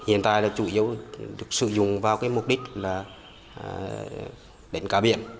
hiện tại là chủ yếu được sử dụng vào cái mục đích là đánh cá biển